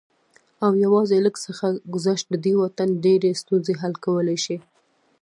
او يوازې لږ څه ګذشت د دې وطن ډېرې ستونزې حل کولی شي